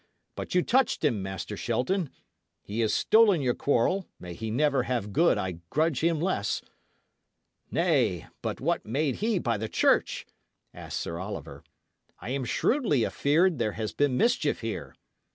But you touched him, Master Shelton; he has stolen your quarrel, may he never have good I grudge him less!" "Nay, but what made he by the church?" asked Sir Oliver. "I am shrewdly afeared there has been mischief here.